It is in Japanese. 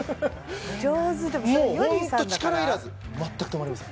もうホント力いらず全く止まりません